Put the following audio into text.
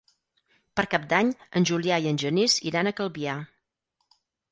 Per Cap d'Any en Julià i en Genís iran a Calvià.